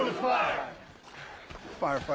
はい。